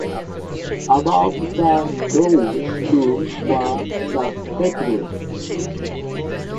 Above the drawing room were the bedrooms.